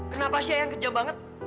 kenapa sih eyang kejam banget